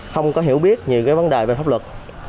không có hiểu biết về cái vấn đề về pháp luật